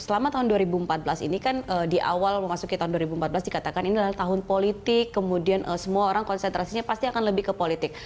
selama tahun dua ribu empat belas ini kan di awal memasuki tahun dua ribu empat belas dikatakan ini adalah tahun politik kemudian semua orang konsentrasinya pasti akan lebih ke politik